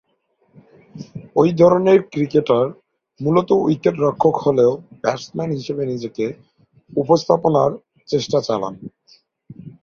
ঐ ধরনের ক্রিকেটার মূলতঃ উইকেট-রক্ষক হলেও ব্যাটসম্যান হিসেবে নিজেকে উপস্থাপনার চেষ্টা চালান।